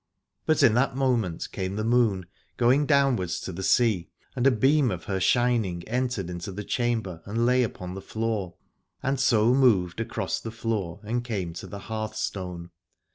But in that moment came the moon, going downwards to the sea, and a beam of her shining entered into the chamber and lay upon the floor, and so moved across the floor and came to the hearthstone.